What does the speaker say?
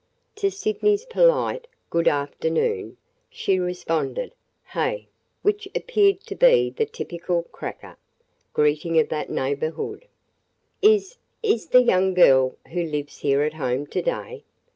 To Sydney's polite "Good afternoon!" she responded "Hey!" which appeared to be the typical "cracker" greeting of that neighborhood. "Is – is the young girl who lives here at home to day?"